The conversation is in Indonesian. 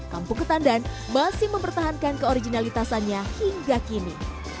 kampung ketandan masih mempertahankan keoriginalitasannya hingga kini